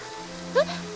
えっ？